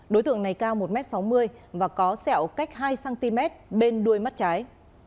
đối tượng này cao một m sáu mươi và có sẹo cách hai cm bên đuôi mắt trái